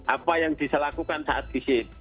apa yang bisa lakukan saat visit